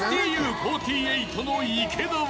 ４８の池田は］